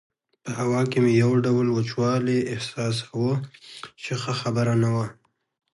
په هوا کې مې یو ډول وچوالی احساساوه چې ښه خبره نه وه.